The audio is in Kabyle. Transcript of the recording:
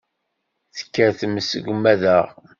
Tekker tmes deg umadaɣ